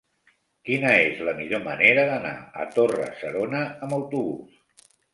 Quina és la millor manera d'anar a Torre-serona amb autobús?